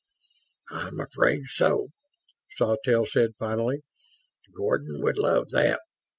"I'm afraid so," Sawtelle said, finally. "Gordon would love that